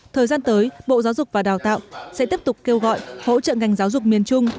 thời gian tới bộ giáo dục và đào tạo sẽ tiếp tục kêu gọi hỗ trợ ngành giáo dục miền trung